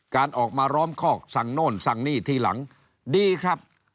การออกมาล้อมคอกสั่งโน่นสั่งนี่ทีหลังดีครับ